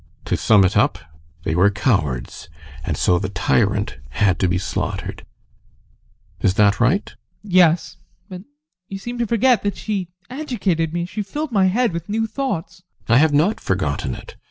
To sum it up, they were cowards, and so the tyrant had to be slaughtered. Is that right? ADOLPH. Yes, but you forget that she educated me, that she filled my head with new thoughts GUSTAV. I have not forgotten it.